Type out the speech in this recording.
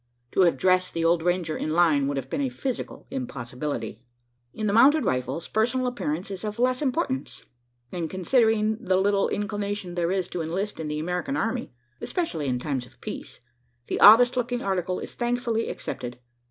To have "dressed" the old ranger in line would have been a physical impossibility. In the mounted rifles, personal appearance is of less importance; and considering the little inclination there is to enlist in the American army especially in times of peace the oddest looking article is thankfully accepted.